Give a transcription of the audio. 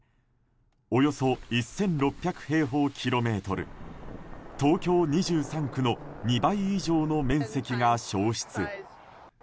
およそ１６００平方キロメートル東京２３区の２倍以上の面積が焼失。